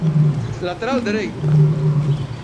Lateral dereito.